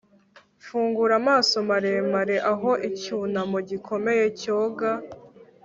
Fungura amaso maremare aho icyunamo gikomeye cyoga